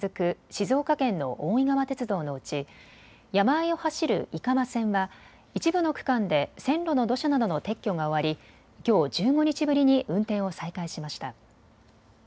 静岡県の大井川鉄道のうち山あいを走る井川線は一部の区間で線路の土砂などの撤去が終わりきょう１５日ぶりに運転を再開しました。